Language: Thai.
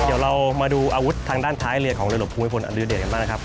เดี๋ยวเรามาดูอาวุธทางด้านท้ายเรือของเรือหลวงภูมิพลอดุเดชกันบ้างนะครับ